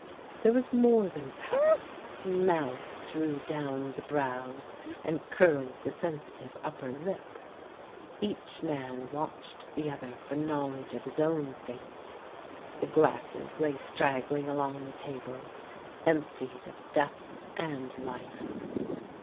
There was more than power ; malice drew down the brows and curled the sensitive upper lip. Each man watched the other for knowledge of his own fate. The glasses lay straggling along the table, emptied of death and life.